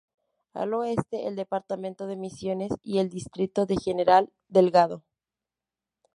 Al oeste: el Departamento de Misiones, y el Distrito de General Delgado.